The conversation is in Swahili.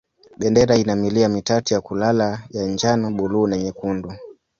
Bendera ina milia mitatu ya kulala ya njano, buluu na nyekundu.